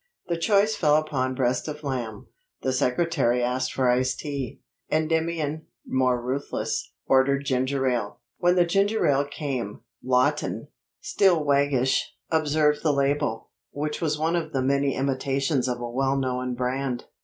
The choice fell upon breast of lamb. The secretary asked for iced tea. Endymion, more ruthless, ordered ginger ale. When the ginger ale came, Lawton, still waggish, observed the label, which was one of the many imitations of a well known brand.